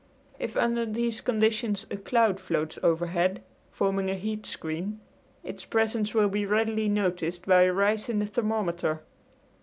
If under these conditions a cloud floats overhead, forming a heat screen, its presence will be readily noticed by a rise in the thermometer.